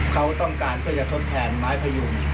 เขาต้องการเพื่อจะทดแทนไม้พยุง